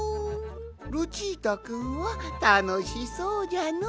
ルチータくんはたのしそうじゃのう。